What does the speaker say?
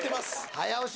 早押し